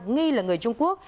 nghi là người trung quốc